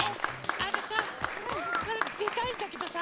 あのさここからでたいんだけどさ